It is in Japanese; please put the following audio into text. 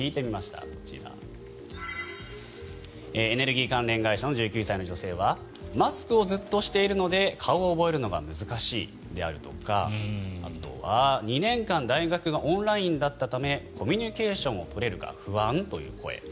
エネルギー関連会社の１９歳の女性はマスクをずっとしているので顔を覚えるのが難しいとかあとは２年間大学がオンラインだったためコミュニケーションを取れるか不安という声。